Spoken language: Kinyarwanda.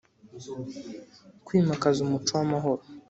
Kwimakaza umuco w amahoro